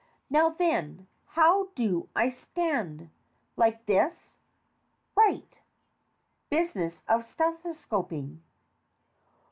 Now then, how do I stand? Like this? Right. (Business of stethoscoping.)